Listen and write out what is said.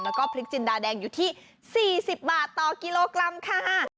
แล้วก็พริกจินดาแดงอยู่ที่๔๐บาทต่อกิโลกรัมค่ะ